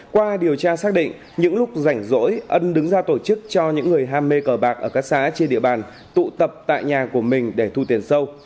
qua điều tra xác định những lúc rảnh rỗi ân đứng ra tổ chức cho những người ham mê cờ bạc ở các xã trên địa bàn tụ tập tại nhà của mình để thu tiền sâu